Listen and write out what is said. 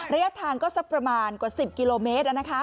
ระยะทางก็สักประมาณกว่า๑๐กิโลเมตร